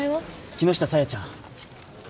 木下沙耶ちゃん。